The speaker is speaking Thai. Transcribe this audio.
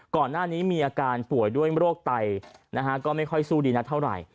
ก่อนหน้านี้มีอาการป่วยด้วยโรคไตนะฮะก็ไม่ค่อยสู้ดีนักเท่าไหร่